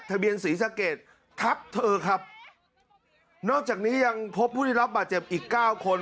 ทะเบียนศรีสะเกดทับเธอครับนอกจากนี้ยังพบผู้ได้รับบาดเจ็บอีกเก้าคน